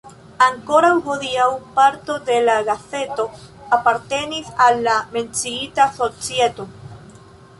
Ankoraŭ hodiaŭ parto de la gazeto apartenis al la menciita societo.